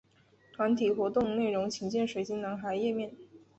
团体活动内容请见水晶男孩页面。